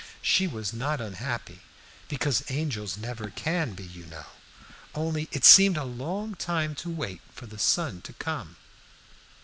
She was not unhappy, because angels never can be, you know; only it seemed a long time to wait for the sun to come.